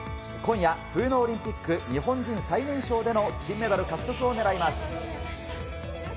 今夜、冬のオリンピック、日本人最年少での金メダル獲得をねらいます。